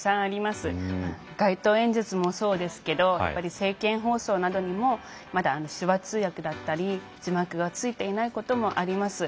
街頭演説もそうですけどやっぱり政見放送などにもまだ手話通訳だったり字幕がついていないこともあります。